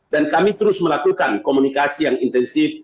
dan kami terus melakukan komunikasi yang intensif